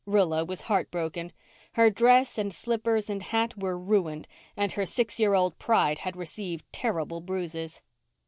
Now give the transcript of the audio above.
Rilla was heart broken. Her dress and slippers and hat were ruined and her six year old pride had received terrible bruises.